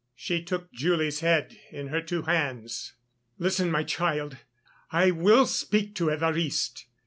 She took Julie's head in her two hands: "Listen, my child. I will speak to Évariste.